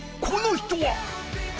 この人は！